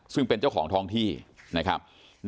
ซึ่งเป็นเจ้าของท้องที่นะครับ